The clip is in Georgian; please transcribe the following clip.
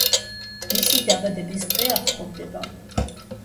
მისი დაბადების დღე ახლოვდება.